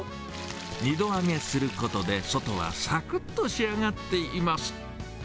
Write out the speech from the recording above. ２度揚げすることで、外はさくっと仕上がっています。